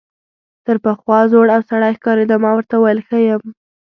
تر پخوا زوړ او ستړی ښکارېده، ما ورته وویل ښه یم.